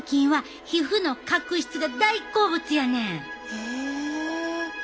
へえ。